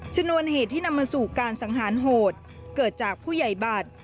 ชนวนเหตุที่นำมาสู่การสังหารโหดเกิดจากผู้ใหญ่บัตร